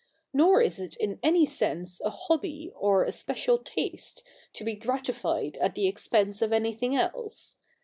Nor is it in any sense a hobby, or a special taste, to be gratified at the expense of anything else.